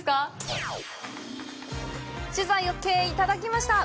取材ＯＫ、いただきました！